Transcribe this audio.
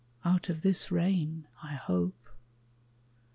Out of this rain, I hope.